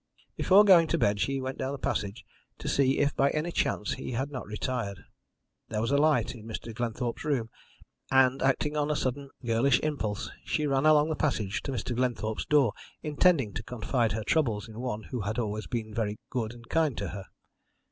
"Before going to bed she went down the passage to see if by any chance he had not retired. There was a light in Mr. Glenthorpe's room, and, acting on a sudden girlish impulse, she ran along the passage to Mr. Glenthorpe's door, intending to confide her troubles in one who had always been very good and kind to her.